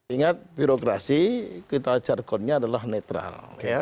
ingat birokrasi kita jargonnya adalah netral